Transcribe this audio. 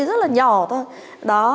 rất là nhỏ thôi đó